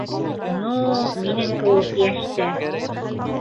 Ну минең кеүек йәштә.